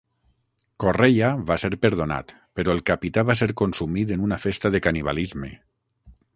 Correia va ser perdonat, però el capità va ser consumit en una festa de canibalisme.